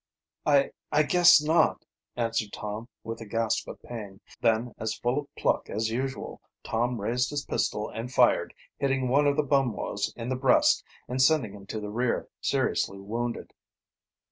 "I I guess not," answered Tom with a gasp of pain. Then, as full of pluck as usual, Tom raised his pistol and fired, hitting one of the Bumwos in the breast and sending him to the rear, seriously wounded.